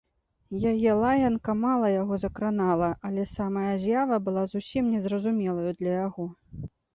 Яе лаянка мала яго закранала, але самая з'ява была зусім незразумелаю для яго.